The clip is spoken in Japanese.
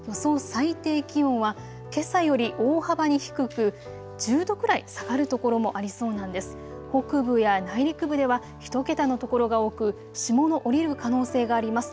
最低気温はけさより大幅に低く１０度くらい下がる所もありそうなんです。